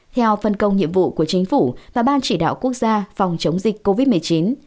theo phân công nhiệm vụ của chính phủ và ban chỉ đạo quốc gia phòng chống dịch covid một mươi chín